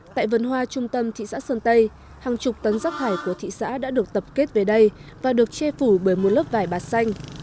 tại vườn hoa trung tâm thị xã sơn tây hàng chục tấn rắc thải của thị xã đã được tập kết về đây và được che phủ bởi một lớp vải bạt xanh